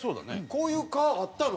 こういう科あったの？